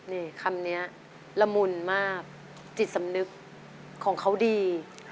นี่คำนี้ละมุนมากจิตสำนึกของเขาดี